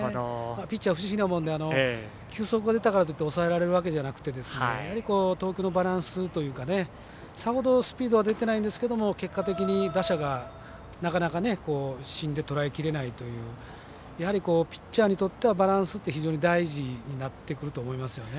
ピッチャー、不思議なもんで球速が出たからといって抑えられるわけじゃなくて投球のバランスというかさほどスピードは出ていないんですけど結果的に打者がなかなか芯でとらえきれないというピッチャーにとってはバランスって非常に大事になってくると思いますよね。